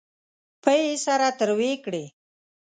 پۍ یې سره تروې کړې.